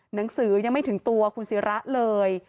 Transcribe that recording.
หนังสือยังไม่ถึงตัวคุณศิระเลย